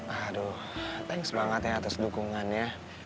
aduh thanks banget ya atas dukungannya